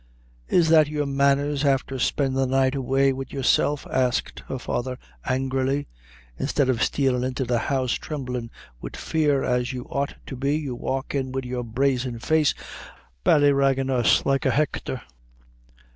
"Is that your manners, afther spendin' the night away wid yourself?" asked her father, angrily. "Instead of stealin' into the house thremblin' wid fear, as you ought to be, you walk in wid your brazen face, ballyraggin' us like a Hecthor."